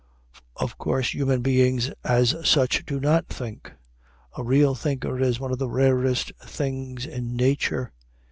Of course human beings as such do not think. A real thinker is one of the rarest things in nature.